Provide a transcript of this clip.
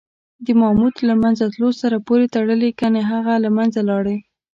د ماموت له منځه تلو سره پورې تړلي کنې هم له منځه لاړې.